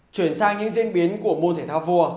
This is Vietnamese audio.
chuyển sang những diễn biến của môn thể thao vua